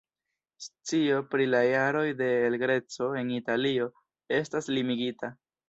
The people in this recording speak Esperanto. Scio pri la jaroj de El Greco en Italio estas limigita.